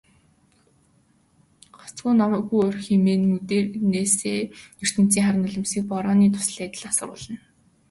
"Гагцхүү намайг бүү орхи" хэмээн хоёр нүднээсээ ертөнцийн хар нулимсыг борооны дусал адил асгаруулна.